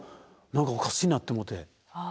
何かおかしなってもうて。